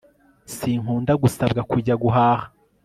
sinkunda gusabwa kujya guhaha